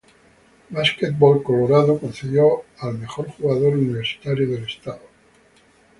Basketball-Colorado" concedido al mejor jugador universitario del estado.